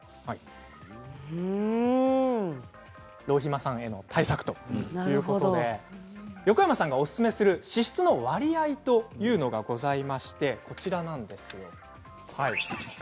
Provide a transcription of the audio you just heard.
浪費魔さんへの対策ということで横山さんがおすすめする支出の割合というのがございましてこちらなんですよ。